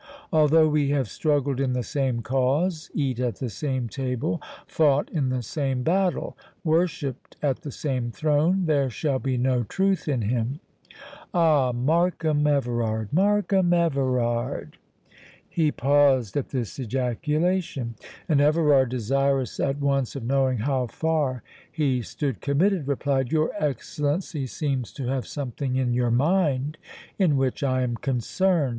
Although we have struggled in the same cause, eat at the same table, fought in the same battle, worshipped at the same throne, there shall be no truth in him.—Ah, Markham Everard, Markham Everard!" He paused at this ejaculation; and Everard, desirous at once of knowing how far he stood committed, replied, "Your Excellency seems to have something in your mind in which I am concerned.